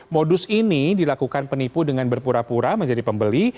modus ini dilakukan penipu dengan berpura pura menjadi pembeli